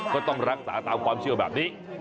ก็ต้องรักษาตามความเชื่อแบบนี้